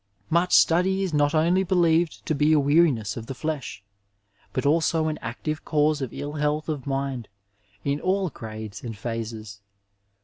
^ Much study is not oxAj believed to be a weariness of the flesh, but also an active cause of ill health of mind, in aH grades and phases.